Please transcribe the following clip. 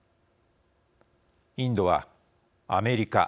インドは、アメリカ、